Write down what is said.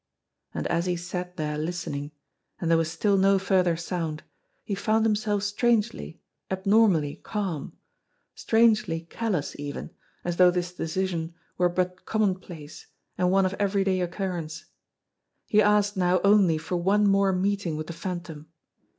And as he sat there listening, and there was still no fur ther sound, he found himself strangely, abnormally calm, strangely callous even, as though this decision were but commonplace and one of everyday occurrence. He asked now only for one more meeting with the Phantom.